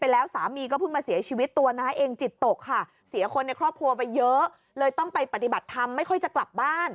แล้วก็มีช่วงตัวครับ